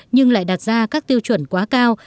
nhưng lại đặt ra các tiêu chuẩn quá cao